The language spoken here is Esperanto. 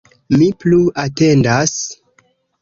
Mi plu atendas.